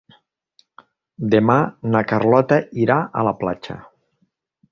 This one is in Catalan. Demà na Carlota irà a la platja.